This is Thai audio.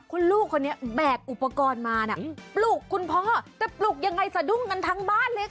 คุณลูกคนนี้แบกอุปกรณ์มานะปลุกคุณพ่อจะปลุกยังไงสะดุ้งกันทั้งบ้านเลยค่ะ